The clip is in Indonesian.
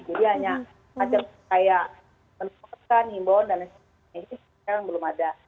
jadi hanya ajaran kayak menemukan imbon dan lain sebagainya sekarang belum ada